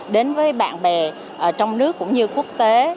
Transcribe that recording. đến với bạn bè trong nước cũng như quốc tế